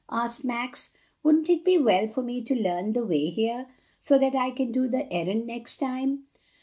asked Max. "Wouldn't it be well for me to learn the way there, so that I can do the errand next time?"